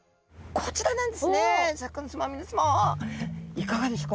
いかがですか？